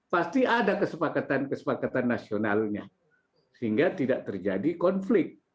pasti ada kesepakatan kesepakatan nasionalnya sehingga tidak terjadi konflik